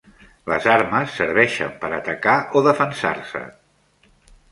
Les armes serveixen per atacar o defensar-se.